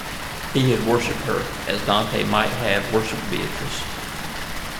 He had worshiped her, as Dante might have worshiped Beatrice.